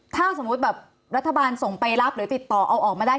ถ้าสมมุติแบบรัฐบาลส่งไปรับหรือติดต่อเอาออกมาได้